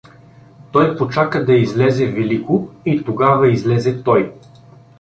Той почака да излезе Велико и тогава излезе той.